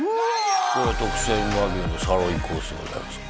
これ特選和牛のサーロインコースでございます